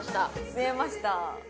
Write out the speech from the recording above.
吸えました